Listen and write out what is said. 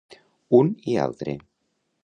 Un i altre.